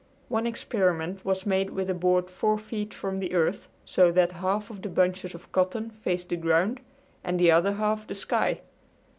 One experiment was made with a board four feet from the earth, so that half of the bunches of cotton faced the ground and the other half the sky.